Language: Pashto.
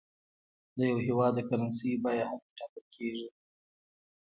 د یو هېواد د کرنسۍ بیه هلته ټاکل کېږي.